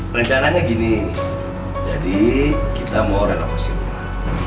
perencanaannya gini jadi kita mau renovasi rumah